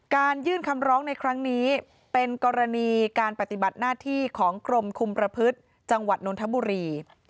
ยื่นคำร้องในครั้งนี้เป็นกรณีการปฏิบัติหน้าที่ของกรมคุมประพฤติจังหวัดนนทบุรี